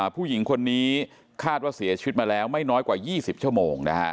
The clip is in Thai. ผู้หญิงคนนี้คาดว่าเสียชีวิตมาแล้วไม่น้อยกว่า๒๐ชั่วโมง